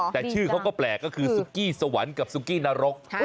แต่ชื่อเขาก็แปลกก็คือซุกี้สวรรค์กับซุกี้นรก